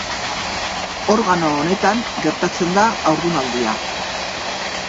Organo honetan gertatzen da haurdunaldia.